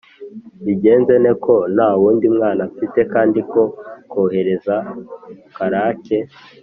mbigenze nte, ko nta wundi mwana mfite; kandi ko kohereza Karake